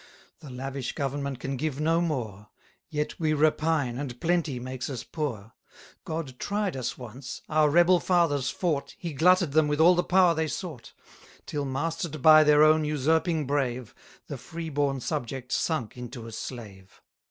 The lavish government can give no more: Yet we repine, and plenty makes us poor. God tried us once; our rebel fathers fought, He glutted them with all the power they sought: Till, master'd by their own usurping brave, The free born subject sunk into a slave.